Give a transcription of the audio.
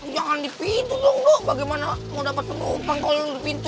jangan di pintu dong dok bagaimana mau dapat penumpang kalau lo di pintu